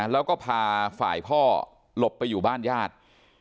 แล้วก็พาฝ่ายพ่อหลบไปอยู่บ้านญาติ